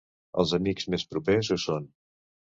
Els amics més propers ho són.